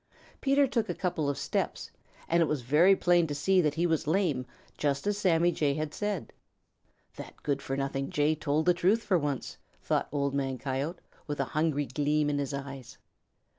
Peter took a couple of steps, and it was very plain to see that he was lame, just as Sammy Jay had said. "That good for nothing Jay told the truth for once," thought Old Man Coyote, with a hungry gleam in his eyes.